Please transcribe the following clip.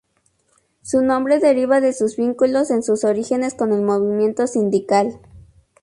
Su nombre deriva de sus vínculos en sus orígenes con el movimiento sindical.